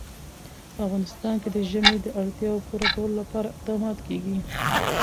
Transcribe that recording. په افغانستان کې د ژمی د اړتیاوو پوره کولو لپاره اقدامات کېږي.